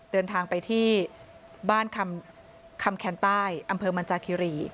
เดินทางไปที่บ้านคำแคนใต้อำเภอมันจาคิรี